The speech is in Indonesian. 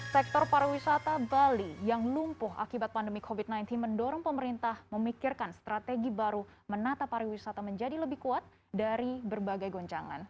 sektor pariwisata bali yang lumpuh akibat pandemi covid sembilan belas mendorong pemerintah memikirkan strategi baru menata pariwisata menjadi lebih kuat dari berbagai goncangan